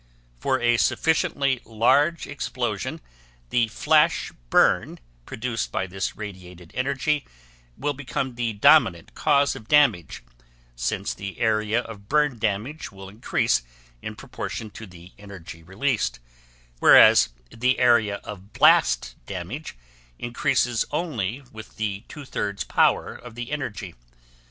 For a sufficiently large explosion, the flash burn produced by this radiated energy will become the dominant cause of damage, since the area of burn damage will increase in proportion to the energy released, whereas the area of blast damage increases only with the two thirds power of the energy.